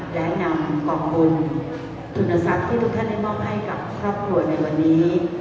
และนำกล่องบุญทุนทรัพย์ที่ทุกท่านได้มอบให้กับครอบครัวในวันนี้